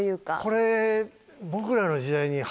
これ。